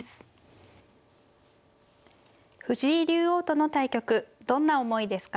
藤井竜王との対局どんな思いですか。